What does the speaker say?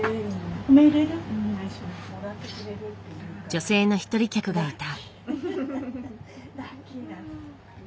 女性の一人客がいた。